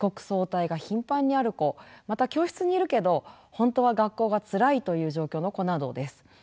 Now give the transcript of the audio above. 早退が頻繁にある子また教室にいるけれど本当は学校がつらいという状況の子などです。